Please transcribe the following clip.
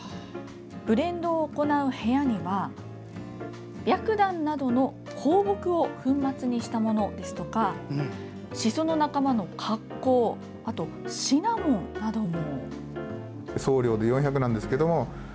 ブレンドを行う部屋にはびゃくだんなどの香木を粉末にしたものですとかしその仲間のカッコウシナモンなども。